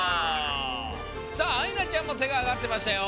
さああいなちゃんもてがあがってましたよ。